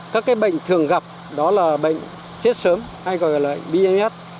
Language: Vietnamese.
các bệnh thường gặp đó là bệnh chết sớm hay gọi là bms